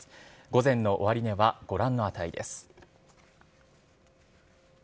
午前の終値はご覧の値です。